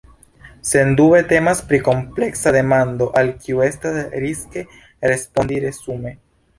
Sendube temas pri kompleksa demando al kiu estas riske respondi resume.